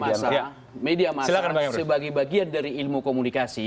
media masyarakat media masyarakat sebagai bagian dari ilmu komunikasi